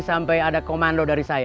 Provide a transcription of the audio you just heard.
sampai ada komando dari saya